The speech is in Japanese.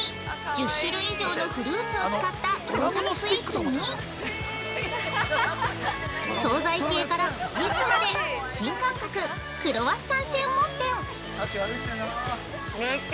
１０種類以上のフルーツを使った創作スイーツに総菜系からスイーツまで、新感覚クロワッサン専門店。